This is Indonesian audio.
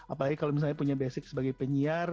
apalagi kalau misalnya punya basic sebagai penyiar